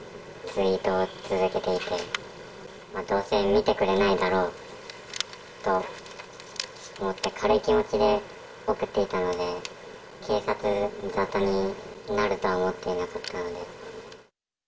どうせ見てくれないだろうと思って、軽い気持ちで送っていたので、警察沙汰になるとは思っていなかったので。